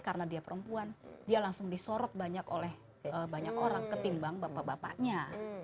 karena dia perempuan dia langsung disorot banyak oleh banyak orang ketimbang bapak bapaknya